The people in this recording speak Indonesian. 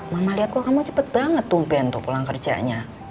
mama lihat kok kamu cepet banget tuh ben tuh pulang kerjanya